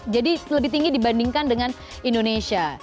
jadi lebih tinggi dibandingkan dengan indonesia